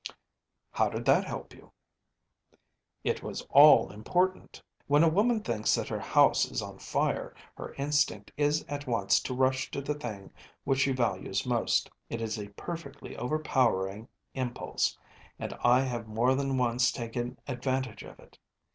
‚ÄĚ “How did that help you?‚ÄĚ “It was all important. When a woman thinks that her house is on fire, her instinct is at once to rush to the thing which she values most. It is a perfectly overpowering impulse, and I have more than once taken advantage of it.